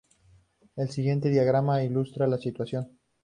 El siguiente diagrama ilustra la situación.